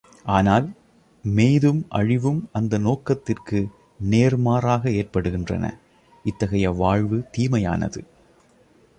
ஆனால் மேய்தும் அழிவும் அந்த நோக்கத்திற்கு நேர் மாறாக எற்படுகின்றன, இத்தகைய வாழ்வு தீமையானது.